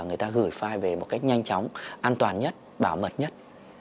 người ta gửi file về một cách nhanh chóng an toàn nhất bảo mật nhất